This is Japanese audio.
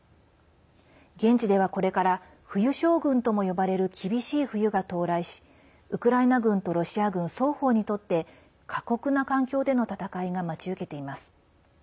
現地ではこれから、冬将軍とも呼ばれる厳しい冬が到来しウクライナ軍とロシア軍双方にとって過酷な環境での戦いが待ち受けています。